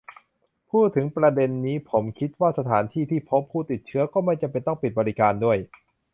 พูดถึงประเด็นนี้ ผมคิดว่าสถานที่ที่พบผู้ติดเชื้อก็ไม่จำเป็นต้องปิดบริการด้วย